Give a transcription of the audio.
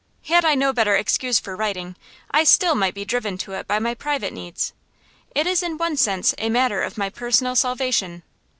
Had I no better excuse for writing, I still might be driven to it by my private needs. It is in one sense a matter of my personal salvation.